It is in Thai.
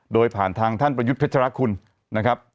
โดยผ่านทางท่านประยุทธ์เพชรคุณนะครับ